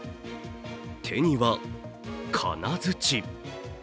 手には、金づち。